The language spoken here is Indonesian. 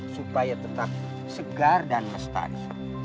supaya tetap segar dan lestari